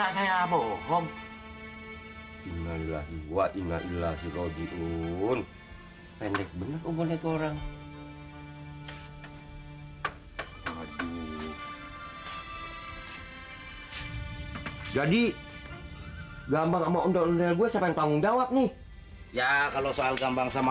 jadi gampang sama ondel ondel gue siapa yang tanggung jawab nih ya kalau soal gampang sama